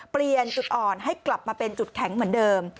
เปลี่ยนจุดอ่อนให้กลับมาเป็นจุดแข็งเหมือนเดิม